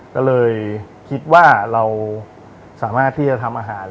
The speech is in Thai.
ก็เลยคิดว่าเราสามารถที่จะทำอาหาร